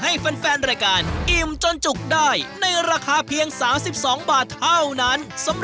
ได้กินของอร่อยแบบพรีเมียมชุดใหญ่ไฟกระพริบในราคาเพียงแค่๓๒บาทเท่านั้นนะคะ